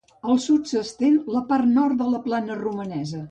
Al sud s'estén la part nord de la Plana Romanesa.